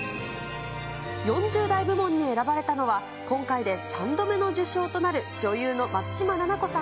４０代部門に選ばれたのは、今回で３度目の受賞となる女優の松嶋菜々子さん。